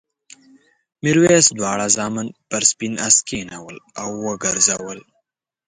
میرويس دواړه زامن پر سپین آس کېنول او وګرځول.